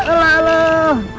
ini palace dan drama